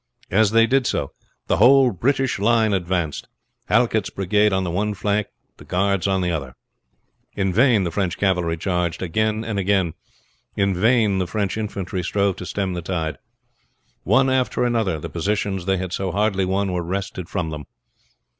As they did so the whole British line advanced, Halket's brigade on the one flank the guards on the other. In vain the French cavalry charged again and again. In vain the French infantry strove to stem the tide. One after another the positions they had so hardly won were wrested from them.